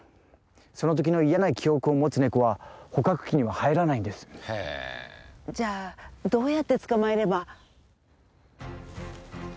その時の嫌な記憶を持つネコは捕獲器には入らないんですじゃあどうやって捕まえれば？